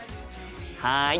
はい。